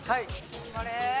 頑張れ。